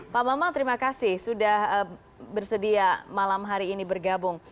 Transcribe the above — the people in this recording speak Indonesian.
pak bambang terima kasih sudah bersedia malam hari ini bergabung